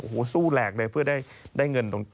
โอ้โหสู้แหลกเลยเพื่อได้เงิน